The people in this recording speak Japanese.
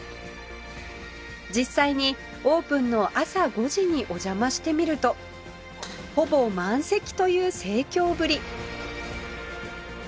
実際にオープンの朝５時にお邪魔してみるとほぼ満席という盛況ぶり